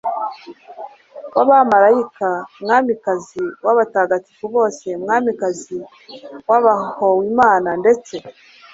w'abamarayika, mwamikazi w'abatagatifu bose, mwamikazi w'abahowe imana, ndetse